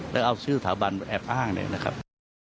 แล้วเอาชื่อถามันแอบอ้างอันนี้นะครับ